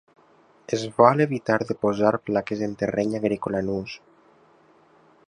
Es vol evitar de posar plaques en terreny agrícola en ús.